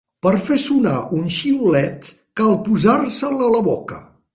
Per fer sonar un xiulet cal posar-se'l a la boca.